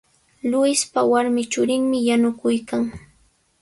Luispa warmi churinmi yanukuykan.